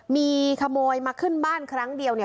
มีขโมยมาขึ้นบ้านครั้งเดียวเนี่ย